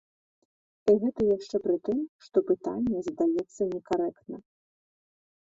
І гэта яшчэ пры тым, што пытанне задаецца некарэктна.